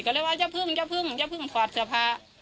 ก็เลยวางยับพึ่งยับพึ่งยับพึ่งควัดสภา